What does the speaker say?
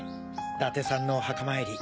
伊達さんの墓参り。